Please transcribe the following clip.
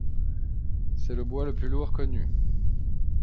C'est le bois le plus lourd connu.